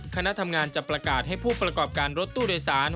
คณะทำงานจะประกาศให้ผู้ประกอบการรถตู้โดยสาร